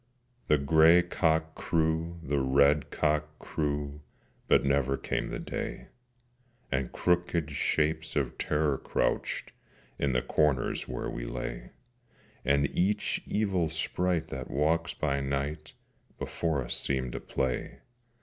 The grey cock crew, the red cock crew, But never came the day: And crooked shapes of Terror crouched, In the corners where we lay: And each evil sprite that walks by night Before us seemed to play.